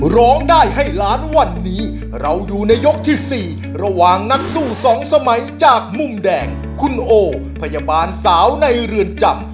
ร้องได้ให้ล้านวันนี้เราอยู่ในยกที่๔ระหว่างนักสู้สองสมัยจากมุมแดงคุณโอพยาบาลสาวในเรือนจำ